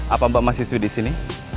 apa mbak mahasiswi di sini